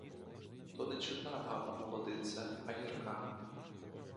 То не чудна баба, молодице, а гірка.